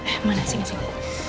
eh mana sih gak sih